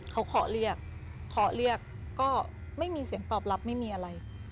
เขาคอเรียกก็ไม่มีเสียงตอบลับทางไม่มีอะไร